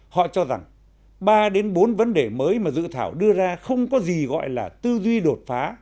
họ cho rằng ba đến bốn vấn đề mới mà dự thảo đưa ra không có gì gọi là tư duy đột phá